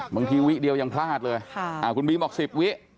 วิเดียวยังพลาดเลยคุณบีมบอก๑๐วิ